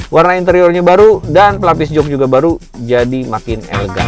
warna interiornya baru dan pelapis jog juga baru jadi makin elegan